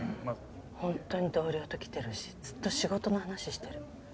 ほんとに同僚と来てるしずっと仕事の話してる。